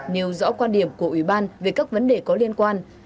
nêu rõ quan điểm của ủy ban về các vấn đề có liên quan